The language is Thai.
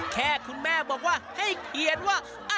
แค่คุณแม่บอกว่าให้เขียนไอฟสครีม